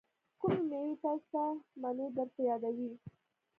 کومې میوې تاسې ته منی در په یادوي؟